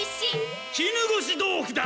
絹ごし豆腐だ！